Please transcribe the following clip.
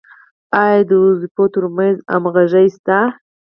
آیا د دندو تر منځ همغږي شته؟